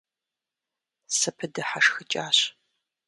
СыпыдыхьэшхыкӀащ.